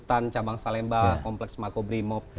kecamatan cabang salemba kompleks makobrimob